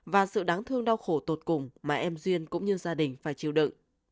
và sự đáng thương đau khổ tột cùng mà em duyên cũng như gia đình phải chịu đự